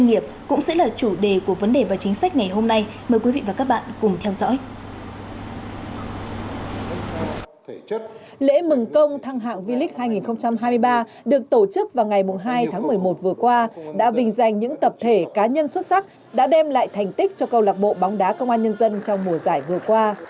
lễ mừng công thăng hạng v lic hai nghìn hai mươi ba được tổ chức vào ngày hai tháng một mươi một vừa qua đã vình dành những tập thể cá nhân xuất sắc đã đem lại thành tích cho câu lạc bộ bóng đá công an nhân dân trong mùa giải vừa qua